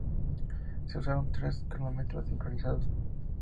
Se usaron tres cronómetros sincronizados.